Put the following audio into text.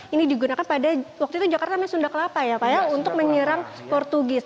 ini digunakan pada waktu itu jakarta namanya sunda kelapa ya pak ya untuk menyerang portugis